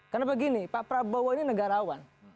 karena begini pak prabowo ini negarawan